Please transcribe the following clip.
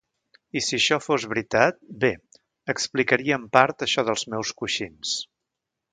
I si això fos veritat, bé, explicaria en part això dels meus coixins.